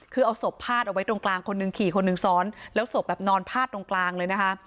คือเอาศพพาดเอาไว้ตรงกลางคนหนึ่งขี่คนหนึ่งซ้อนแล้วศพแบบนอนพาดตรงกลางเลยนะคะ